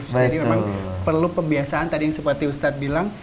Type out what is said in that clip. jadi memang perlu pembiasaan tadi yang seperti ustaz bilang